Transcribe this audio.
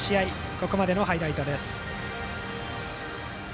ここまでのハイライトです。